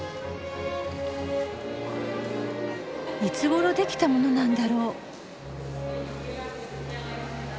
いつごろ出来たものなんだろう？